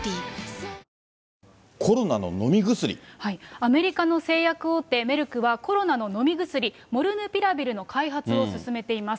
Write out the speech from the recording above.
アメリカの製薬大手、メルクはコロナの飲み薬、モルヌピラビルの開発を進めています。